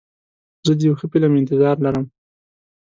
زه د یو ښه فلم انتظار لرم.